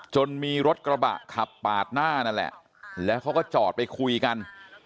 จนมีรถกระบะขับปาดหน้านั่นแหละแล้วเขาก็จอดไปคุยกัน